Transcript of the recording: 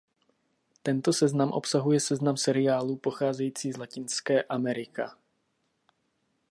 Tento seznam obsahuje seznam seriálů pocházející z Latinské Amerika.